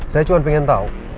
saya cuma pengen tau